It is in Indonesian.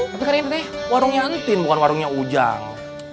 tapi kan ini deh warungnya entin bukan warungnya ujang